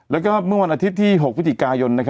แล้วก็เมื่อวันอาทิตย์ที่๖พฤศจิกายน